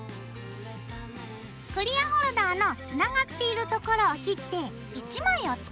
クリアホルダーのつながっている所を切って１枚を使うよ。